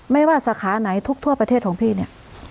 ไม่ว่าสาขาไหนทุกทั่วประเทศของพี่เนี่ย